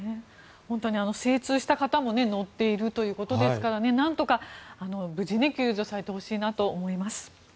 精通した方も乗っているということですからなんとか無事に救助されてほしいなと思います。